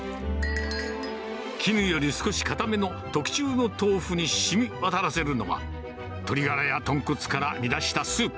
絹より少し硬めの特注の豆腐にしみわたらせるのは、鶏ガラや豚骨から煮出したスープ。